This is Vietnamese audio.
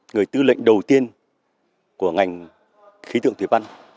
người tư lệnh đầu tiên của ngành khí tượng thủy văn